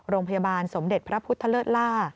โรงพยาบาลสมเด็จพระพุทธเลิศล่า